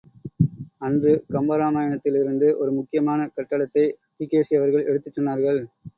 அன்று கம்பராமாயணத்திலிருந்து ஒரு முக்கியமான கட்டத்தை டி.கே.சி.அவர்கள் எடுத்துச் சொன்னார்கள்.